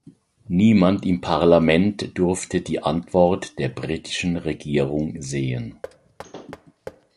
Niemand im Parlament durfte die Antwort der britischen Regierung sehen.